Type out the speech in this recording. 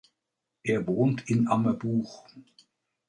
Er wohnt in Ammerbuch.